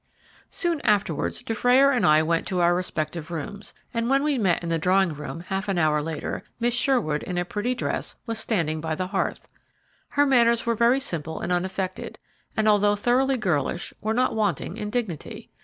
Soon afterwards Dufrayer and I went to our respective rooms, and when we met in the drawing room half an hour later, Miss Sherwood, in a pretty dress, was standing by the hearth. Her manners were very simple and unaffected, and, although thoroughly girlish, were not wanting in dignity.